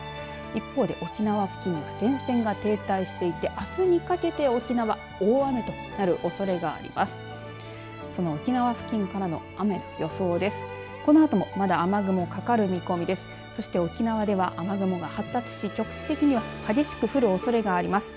一方で、沖縄付近の前線が停滞していてあすにかけて沖縄大雨となるおそれがあります。